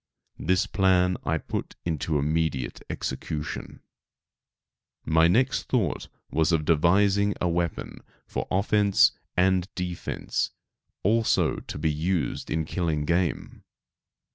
This plan I put into immediate execution. My next thought was of devising a weapon for offence and defence, also to be used in killing game.